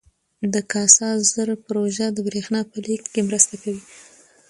د کاسا زر پروژه د برښنا په لیږد کې مرسته کوي.